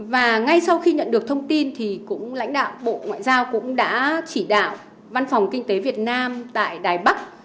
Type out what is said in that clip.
và ngay sau khi nhận được thông tin thì cũng lãnh đạo bộ ngoại giao cũng đã chỉ đạo văn phòng kinh tế việt nam tại đài bắc